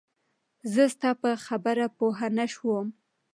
زه ستا په خبره پوهه نه شوم